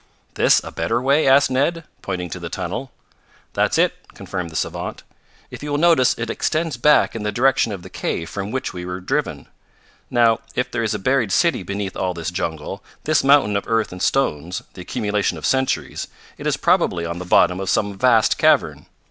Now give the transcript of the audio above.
"This a better way?" asked Ned, pointing to the tunnel. "That's it," confirmed the savant. "If you will notice it extends back in the direction of the cave from which we were driven. Now if there is a buried city beneath all this jungle, this mountain of earth and stones, the accumulation of centuries, it is probably on the bottom of some vast cavern.